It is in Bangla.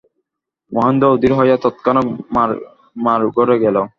মহেন্দ্র অধীর হইয়া তৎক্ষণাৎ মার ঘরে গেল।